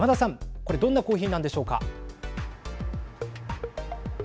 これどんなコーヒーなんでしょうか。